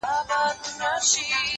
هوډ د شکونو غږ خاموشوي!.